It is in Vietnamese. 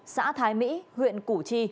xã thái mỹ huyện củ chi